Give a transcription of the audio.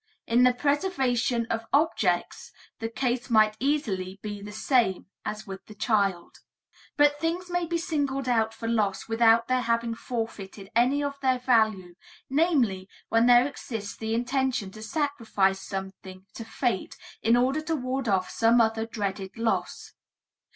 In the preservation of objects, the case might easily be the same as with the children. But things may be singled out for loss without their having forfeited any of their value, namely, when there exists the intention to sacrifice something to fate in order to ward off some other dreaded loss.